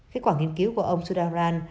kết quả nghiên cứu của ông sudararan